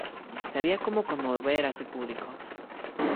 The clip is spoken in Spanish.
Sabía cómo conmover a su público.